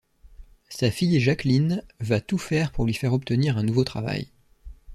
Sa fille Jacqueline va tout faire pour lui faire obtenir un nouveau travail.